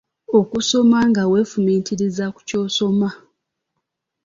Okusoma nga weefumiitiriza ku ky'osoma.